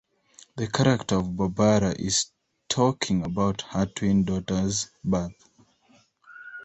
The character Barbara is talking about her twin daughters' birth.